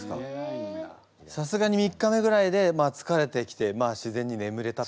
さすがに３日目ぐらいでつかれてきて自然にねむれたと。